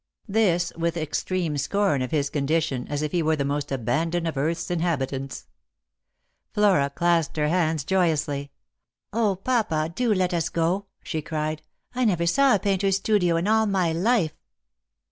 This with extreme scorn of his condition, as if he were the most abandoned of earth's inhabitants. Flora clasped her hands joyously. "0, papa, do let us go! " she cried ;" I never saw a painter's studio in all my life."